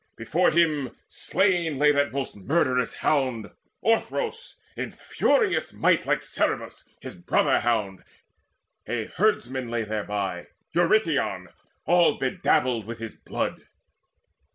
Before him slain lay that most murderous hound Orthros, in furious might like Cerberus His brother hound: a herdman lay thereby, Eurytion, all bedabbled with his blood.